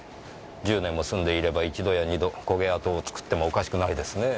１０年も住んでいれば一度や二度焦げ跡を作ってもおかしくないですねぇ。